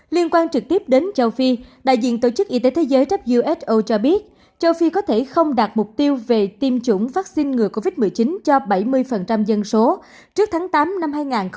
liên quan trực tiếp đến châu phi đại diện tổ chức y tế thế giới who cho biết châu phi có thể không đạt mục tiêu về tiêm chủng vaccine ngừa covid một mươi chín cho bảy mươi dân số trước tháng tám năm hai nghìn hai mươi